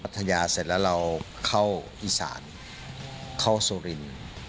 ทัศเสร็จแล้วเราเข้าอีสานเข้าสุรินทร์